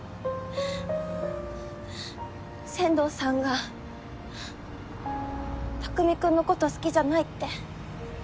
千堂さんが匠君のこと好きじゃないって。